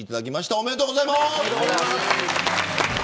おめでとうございます。